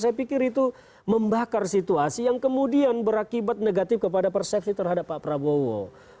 saya pikir itu membakar situasi yang kemudian berakibat negatif kepada persepsi terhadap pak prabowo